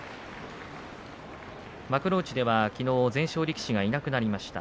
幕内ではきのう全勝力士がいなくなりました。